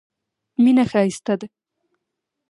مینه ښایسته ده.